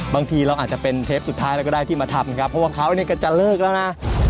บางทีเราอาจจะเป็นเทปสุดท้ายแล้วก็ได้ที่มาทำครับเพราะว่าเขาเนี่ยก็จะเลิกแล้วนะ